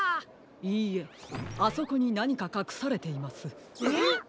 いいえあそこになにかかくされています。